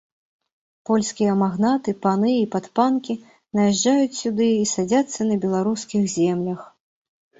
Польскія магнаты, паны і падпанкі наязджаюць сюды і садзяцца на беларускіх землях.